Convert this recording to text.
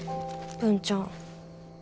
文ちゃん。